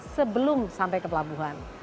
sebelum sampai ke pelabuhan